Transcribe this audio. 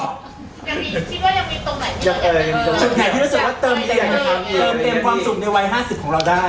ฉุกแผนที่รู้สึกว่าเหลือเติมเต็มความสุขในวัย๕๐ของเราได้